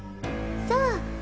そう。